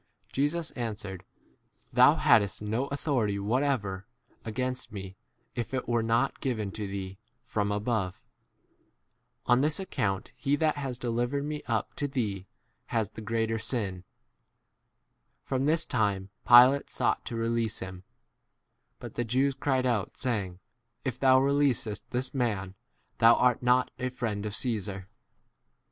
11 Jesus answered, 7 Thou hadst no authority whatever against me if it were not given to thee from above. On this account he that has delivered me up to thee has 12 the greater sin. From this time Pilate sought to release him ; but the Jews cried out, saying, If thou releasest this [man] thou art not a friend of Caesar.